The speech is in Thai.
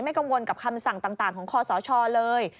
กังวลกับคำสั่งต่างของคอสชเลย